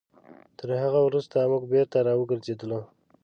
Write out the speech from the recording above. تر هغه وروسته موږ بېرته راوګرځېدلو.